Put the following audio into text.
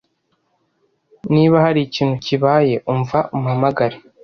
Niba hari ikintu kibaye, umva umpamagare.